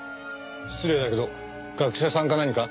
失礼だけど学者さんか何か？